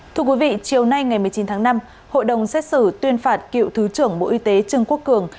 thưa quý vị chiều nay ngày một mươi chín tháng năm hội đồng xét xử tuyên phạt cựu thứ trưởng bộ y tế trương quốc cường